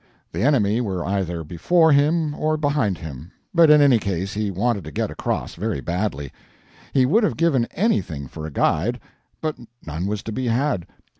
The enemy were either before him or behind him; but in any case he wanted to get across, very badly. He would have given anything for a guide, but none was to be had.